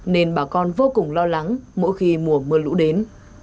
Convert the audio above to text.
nên bà con vô cùng lo lắng mỗi khi mùa mưa lũ đến